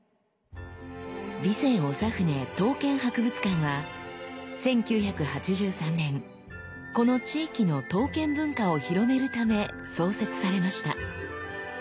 備前長船刀剣博物館は１９８３年この地域の刀剣文化を広めるため創設されました。